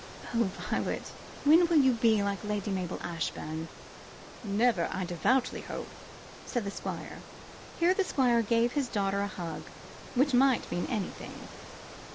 "Oh, Violet, when will you be like Lady Mabel Ashbourne?" "Never, I devoutly hope," said the Squire. Here the Squire gave his daughter a hug which might mean anything.